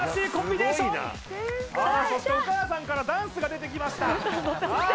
さあそしてお母さんからダンスが出てきましたああ！